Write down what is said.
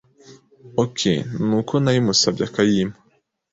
Ok n’uko nayimusabye akayinyimpa